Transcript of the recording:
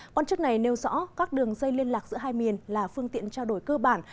quan chức này nêu rõ các đường dây liên lạc giữa hai miền là phương tiện trao đổi cơ bản